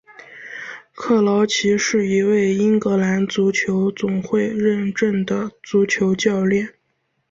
克劳奇是一位英格兰足球总会认证的足球教练。